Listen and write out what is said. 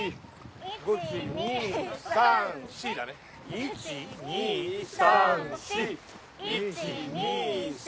１２３４２３。